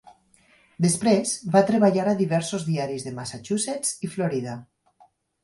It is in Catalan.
Després va treballar a diversos diaris de Massachusetts i Florida.